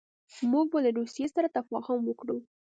موږ به له روسیې سره تفاهم وکړو.